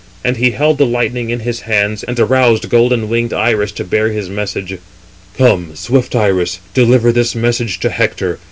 And he held the lightning in his hands, and aroused golden winged Iris to bear his message: "Come, swift Iris, deliver this message to Hector.